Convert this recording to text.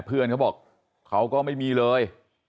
เพื่อนเขาบอกเขาก็ไม่มีเลย